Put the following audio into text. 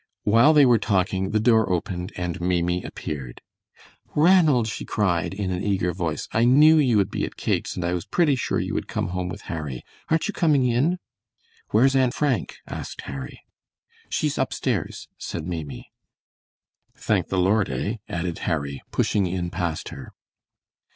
While they were talking the door opened and Maimie appeared. "Ranald," she cried, in an eager voice, "I knew you would be at Kate's, and I was pretty sure you would come home with Harry. Aren't you coming in?" "Where's Aunt Frank?" asked Harry. "She's upstairs," said Maimie. "Thank the Lord, eh?" added Harry, pushing in past her.